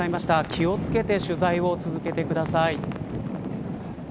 気を付けて取材を続けてください。